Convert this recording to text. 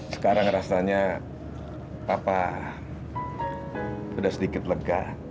sekarang rasanya papa sudah sedikit lega